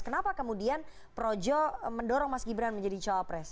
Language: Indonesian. kenapa kemudian projo mendorong mas gibran menjadi cawapres